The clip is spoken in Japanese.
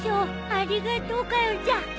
ありがとうかよちゃん。